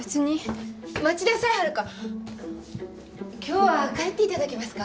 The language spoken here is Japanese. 今日は帰っていただけますか？